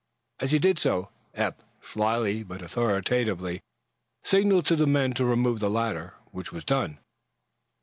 As he did so, Eph slyly but authoritatively signaled to the men to remove the ladder, which was done.